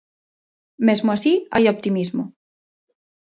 Mesmo así, hai optimismo.